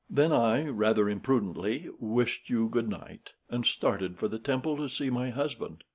Then I, rather imprudently, wished you good night, and started for the Temple to see my husband.